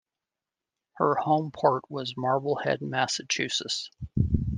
Her home port was Marblehead, Massachusetts.